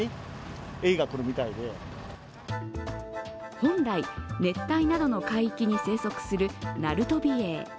本来、熱帯などの海域に生息するナルトビエイ。